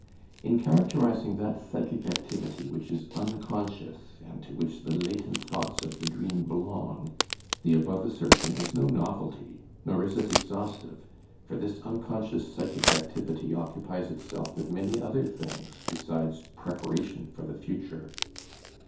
In characterizing that psychic activity which is unconscious and to which the latent thoughts of the dream belong, the above assertion is no novelty, nor is it exhaustive, for this unconscious psychic activity occupies itself with many other things besides preparation for the future.